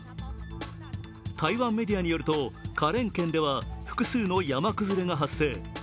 台湾メディアによると花蓮県では複数の山崩れが発生。